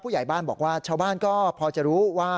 ใหญ่บ้านบอกว่าชาวบ้านก็พอจะรู้ว่า